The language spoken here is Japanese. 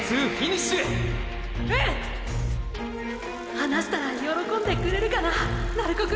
話したら喜んでくれるかな鳴子くん。